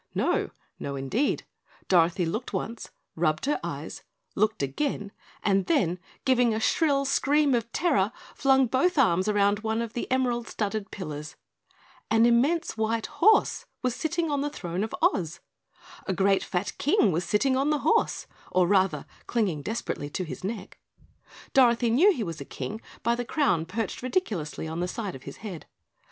No no, indeed! Dorothy looked once, rubbed her eyes looked again, and then, giving a shrill scream of terror, flung both arms round one of the emerald studded pillars. An immense white horse was sitting on the throne of Oz. A great fat King was sitting on the horse, or rather, clinging desperately to his neck. Dorothy knew he was a King by the crown perched ridiculously on the side of his head.